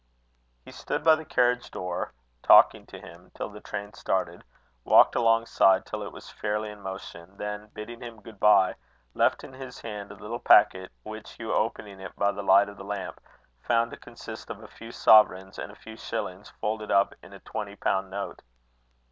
He stood by the carriage door talking to him, till the train started; walked alongside till it was fairly in motion; then, bidding him good bye, left in his hand a little packet, which Hugh, opening it by the light of the lamp, found to consist of a few sovereigns and a few shillings folded up in a twenty pound note.